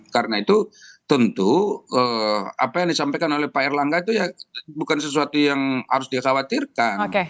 karena itu tentu apa yang disampaikan oleh pak erlah gak itu ya bukan sesuatu yang harus disawatirkan